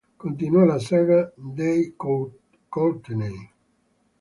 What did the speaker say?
Continua la saga dei Courteney.